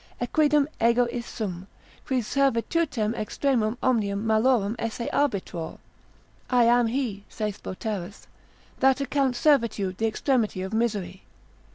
Equidem ego is sum, qui servitutem extremum omnium malorum esse arbitror: I am he (saith Boterus) that account servitude the extremity of misery.